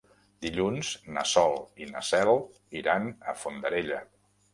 Dilluns na Sol i na Cel iran a Fondarella.